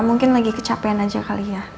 mungkin lagi kecapean aja kali ya